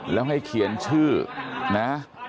แล้วให้เขียนชื่อนะ